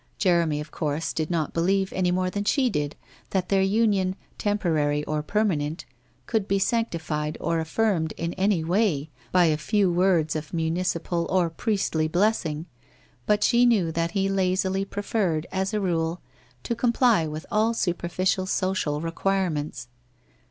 Jeremy of course did not believe, any more than she did, that their union, temporary or permanent, could be sanc tified or affirmed in any way by a few words of municipal or priestly blessing, but she knew that he lazily preferred, as a rule, to comply with all superficial social requirements.